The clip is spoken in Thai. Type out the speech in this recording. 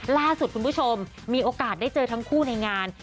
ล่าสุดคุณผู้ชมมีโอกาสได้เจอทั้งคู่ในงาน